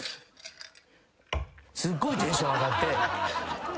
すっごいテンション上がって。